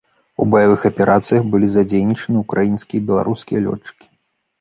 У баявых аперацыях былі задзейнічаны ўкраінскія і беларускія лётчыкі.